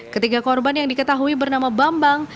ketiga korban yang diketahui bernama bambang